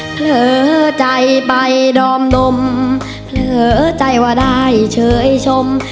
เผลอใจไปดอมนมเผลอใจว่าได้เฉยชม